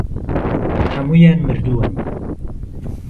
هەموویان مردوون.